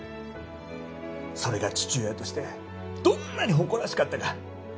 それが父親としてどんなに誇らしかったか。